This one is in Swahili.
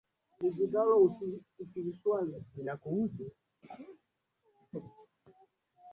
watakambiliana na westbromich naambiwa wigan na liverpool